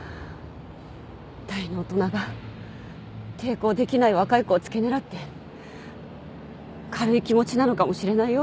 大の大人が抵抗できない若い子をつけ狙って軽い気持ちなのかもしれないよ？